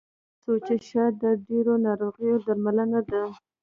سوچه شات د ډیرو ناروغیو درملنه ده.